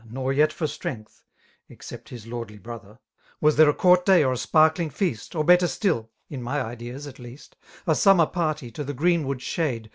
Nor yet for strength, except his lordly brother. Was there a court day, or a sparklii^ fbaet. Or better still, ^in my ideas, at least, — A summer party to Hie greenwood shade.